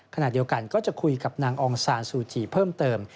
ขณะเดียวกันก็จะคุยกับนางองซานซูจีเพิ่มเติม